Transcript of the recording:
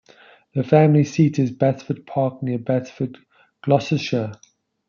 The family seat is Batsford Park, near Batsford, Gloucestershire.